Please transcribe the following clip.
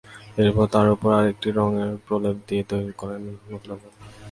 এরপর তার ওপর আরেকটি রঙের প্রলেপ দিয়ে তৈরি করেন নতুন আবহ।